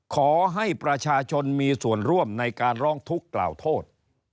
ขอให้ประชาชนมีส่วนร่วมในการร้องทุกข์กล่าวโทษ